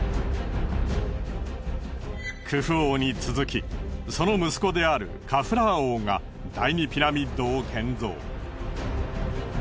クフ王に続きその息子であるカフラー王が第２ピラミッドを建造。